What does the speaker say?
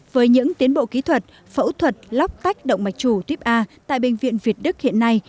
với những tiến bộ kỹ thuật phẫu thuật lóc tách động mạch chủ tuyếp a tại bệnh viện việt đức hiện nay